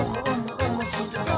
おもしろそう！」